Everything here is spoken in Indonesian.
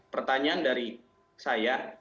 pertanyaan dari saya